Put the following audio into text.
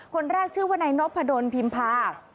คนแรกชื่อว่าไนโน๊ตพะโดนพิมพา